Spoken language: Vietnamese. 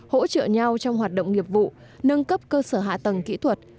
hỗ trợ nhau trong hoạt động nghiệp vụ nâng cấp cơ sở hạ tầng kỹ thuật